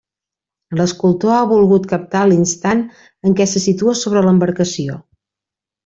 L'escultor ha volgut captar l'instant en què se situa sobre l'embarcació.